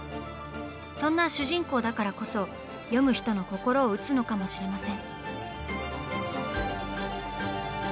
そんな主人公だからこそ読む人の心を打つのかもしれません。